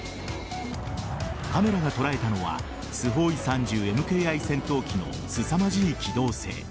カメラが捉えたのはスホーイ３０ＭＫＩ戦闘機のすさまじい機動性。